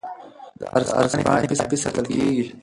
د عرض پاڼې کاپي ساتل کیږي.